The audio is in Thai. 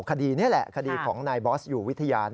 คดีนี้แหละคดีของนายบอสอยู่วิทยา